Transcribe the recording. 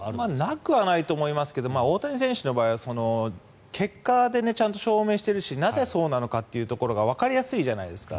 なくはないと思いますけど大谷選手の場合は結果でちゃんと証明しているしなぜそうなのかというところがわかりやすいじゃないですか。